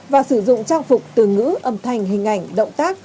và sử dụng trang phục từ ngữ âm thanh hình ảnh động tác